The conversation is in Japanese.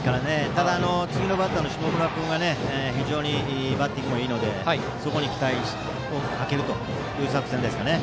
ただ次のバッターの下村君が非常にバッティングもいいのでそこに期待をかけるという作戦ですかね。